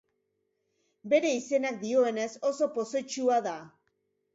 Bere izenak dioenez oso pozoitsua da.